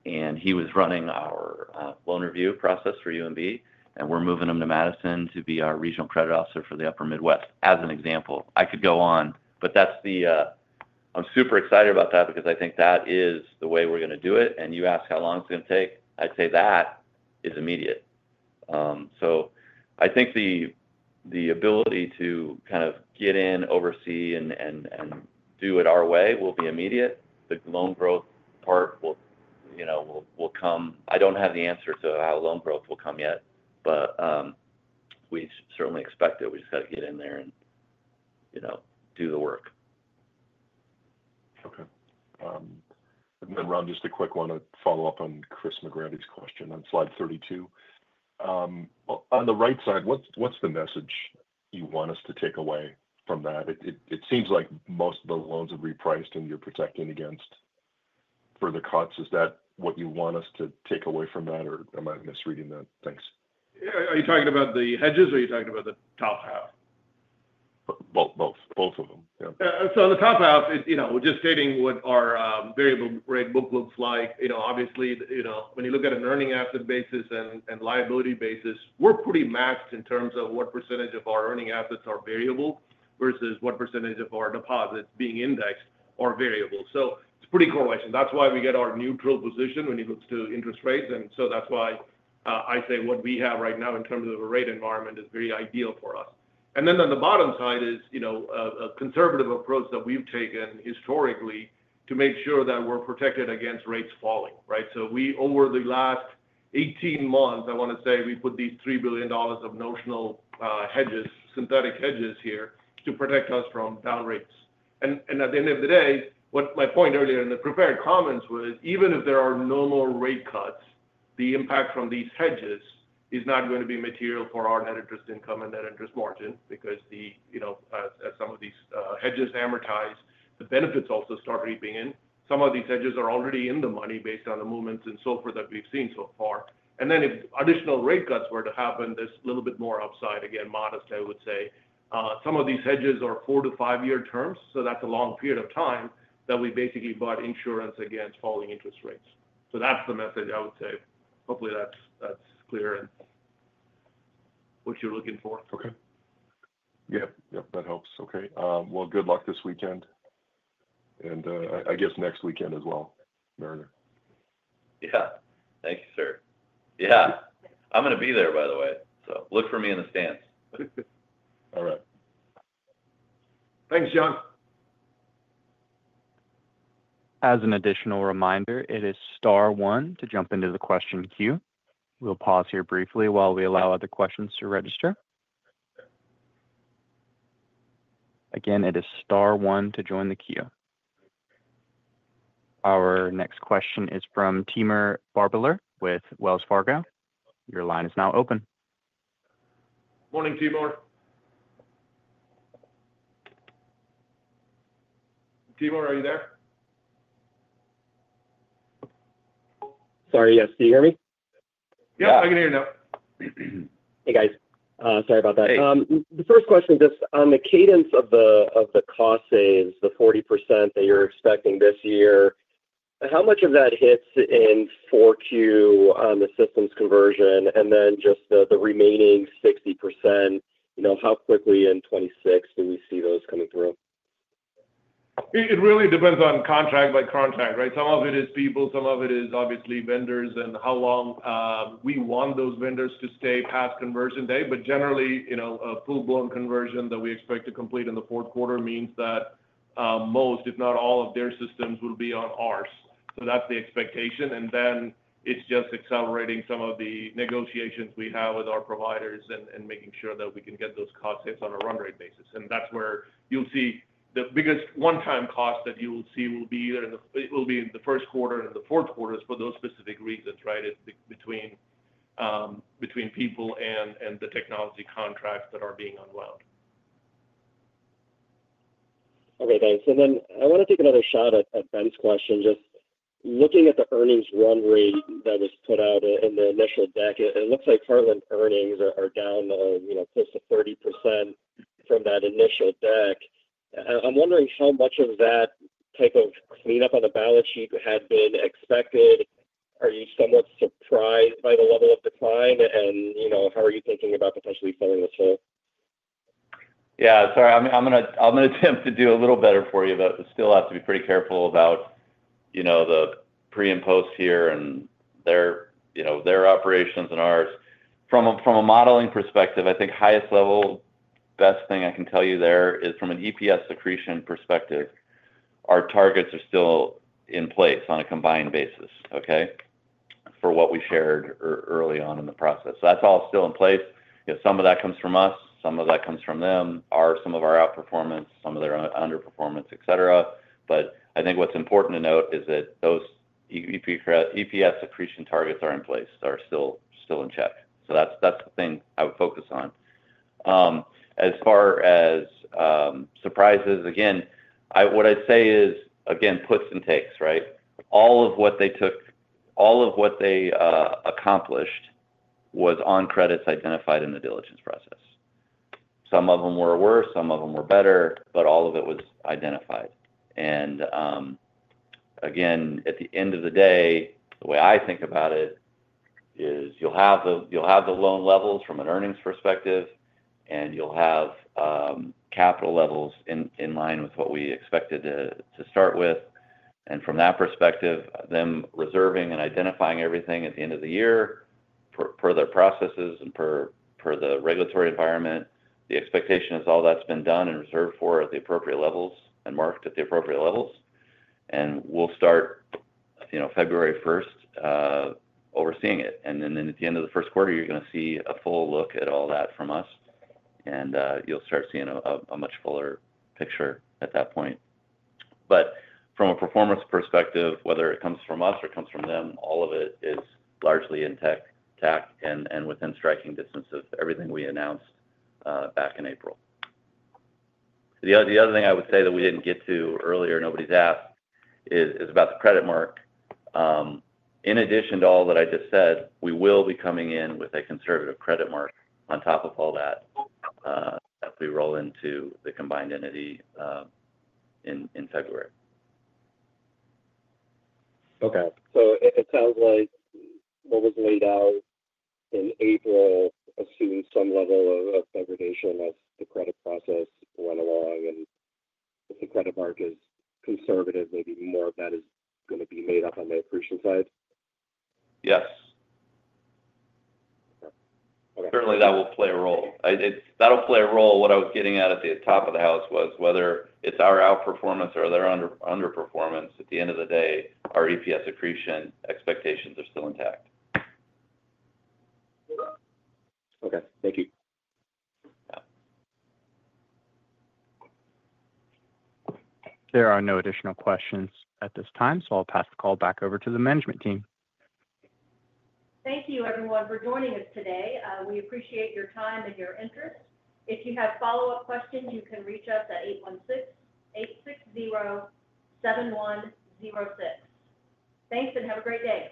And he was running our loan review process for UMB, and we're moving him to Madison to be our regional credit officer for the Upper Midwest as an example. I could go on, but I'm super excited about that because I think that is the way we're going to do it. And you ask how long it's going to take, I'd say that is immediate. So I think the ability to kind of get in, oversee, and do it our way will be immediate. The loan growth part will come. I don't have the answer to how loan growth will come yet, but we certainly expect it. We just got to get in there and do the work. Okay. And then, Ram, just a quick one to follow up on Chris McGratty's question on slide 32. On the right side, what's the message you want us to take away from that? It seems like most of the loans are repriced and you're protecting against further cuts. Is that what you want us to take away from that, or am I misreading that? Thanks. Are you talking about the hedges or are you talking about the top half? Both. Both of them. So the top half, just stating what our variable rate book looks like. Obviously, when you look at an earning asset basis and liability basis, we're pretty matched in terms of what percentage of our earning assets are variable versus what percentage of our deposits being indexed are variable. So it's a pretty core question. That's why we get our neutral position when it looks to interest rates. And so that's why I say what we have right now in terms of a rate environment is very ideal for us. And then on the bottom side is a conservative approach that we've taken historically to make sure that we're protected against rates falling, right? So over the last 18 months, I want to say we put these $3 billion of notional synthetic hedges here to protect us from down rates. And at the end of the day, my point earlier in the prepared comments was, even if there are no more rate cuts, the impact from these hedges is not going to be material for our net interest income and net interest margin because as some of these hedges amortize, the benefits also start creeping in. Some of these hedges are already in the money based on the movements and so forth that we've seen so far. And then if additional rate cuts were to happen, there's a little bit more upside, again, modest, I would say. Some of these hedges are four to five-year terms, so that's a long period of time that we basically bought insurance against falling interest rates. So that's the message I would say. Hopefully, that's clear and what you're looking for. Okay. Yeah. Yep. That helps. Okay. Well, good luck this weekend and I guess next weekend as well, Mariner. Yeah. Thank you, sir. Yeah. I'm going to be there, by the way. So look for me in the stands. All right. Thanks, John. As an additional reminder, it is Star One to jump into the question queue. We'll pause here briefly while we allow other questions to register. Again, it is Star One to join the queue. Our next question is from Timur Braziler with Wells Fargo. Your line is now open. Morning, Timur. Timur, are you there? Sorry. Yes. Can you hear me? Yeah. I can hear you now. Hey, guys. Sorry about that. The first question is just on the cadence of the cost saves, the 40% that you're expecting this year, how much of that hits in 4Q on the systems conversion, and then just the remaining 60%, how quickly in 2026 do we see those coming through? It really depends on contract by contract, right? Some of it is people, some of it is obviously vendors, and how long we want those vendors to stay past conversion day. But generally, a full-blown conversion that we expect to complete in the fourth quarter means that most, if not all, of their systems will be on ours. So that's the expectation. And then it's just accelerating some of the negotiations we have with our providers and making sure that we can get those cost hits on a run rate basis. And that's where you'll see the biggest one-time cost that you will see will be either in the first quarter and the fourth quarters for those specific reasons, right, between people and the technology contracts that are being unwound. Okay. Thanks. And then I want to take another shot at Ben's question. Just looking at the earnings run rate that was put out in the initial deck, it looks like Heartland earnings are down close to 30% from that initial deck. I'm wondering how much of that type of cleanup on the balance sheet had been expected. Are you somewhat surprised by the level of decline? And how are you thinking about potentially selling this whole? Yeah. Sorry. I'm going to attempt to do a little better for you, but we still have to be pretty careful about the pre and post here and their operations and ours. From a modeling perspective, I think highest level, best thing I can tell you there is from an EPS accretion perspective, our targets are still in place on a combined basis, okay, for what we shared early on in the process. So that's all still in place. Some of that comes from us. Some of that comes from them. Are some of our outperformance, some of their underperformance, etc. But I think what's important to note is that those EPS accretion targets are in place, are still in check. So that's the thing I would focus on. As far as surprises, again, what I'd say is, again, puts and takes, right? All of what they took, all of what they accomplished was on credits identified in the diligence process. Some of them were worse. Some of them were better, but all of it was identified. And again, at the end of the day, the way I think about it is you'll have the loan levels from an earnings perspective, and you'll have capital levels in line with what we expected to start with. And from that perspective, them reserving and identifying everything at the end of the year per their processes and per the regulatory environment, the expectation is all that's been done and reserved for at the appropriate levels and marked at the appropriate levels. And we'll start February 1st overseeing it. And then at the end of the first quarter, you're going to see a full look at all that from us. You'll start seeing a much fuller picture at that point. But from a performance perspective, whether it comes from us or it comes from them, all of it is largely intact and within striking distance of everything we announced back in April. The other thing I would say that we didn't get to earlier, nobody's asked, is about the credit mark. In addition to all that I just said, we will be coming in with a conservative credit mark on top of all that as we roll into the combined entity in February. Okay, so it sounds like what was laid out in April assumes some level of aggregation as the credit process went along, and if the credit mark is conservative, maybe more of that is going to be made up on the accretion side. Yes. Okay. Certainly, that will play a role. That'll play a role. What I was getting at at the top of the house was whether it's our outperformance or their underperformance, at the end of the day, our EPS accretion expectations are still intact. Okay. Thank you. There are no additional questions at this time, so I'll pass the call back over to the management team. Thank you, everyone, for joining us today. We appreciate your time and your interest. If you have follow-up questions, you can reach us at 816-860-7106. Thanks and have a great day.